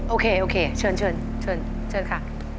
โอเคเชิญค่ะ